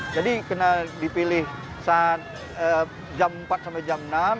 jadi kena dipilih saat jam empat sampai jam enam